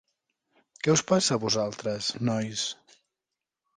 Què us passa a vosaltres, nois?